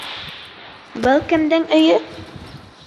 Был кемдең өйө?